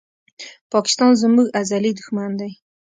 پاکستان زموږ ازلي دښمن دی